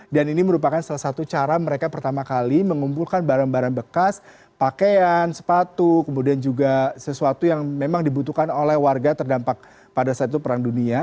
dan ini merupakan salah satu cara mereka pertama kali mengumpulkan barang barang bekas pakaian sepatu kemudian juga sesuatu yang memang dibutuhkan oleh warga terdampak pada saat itu perang dunia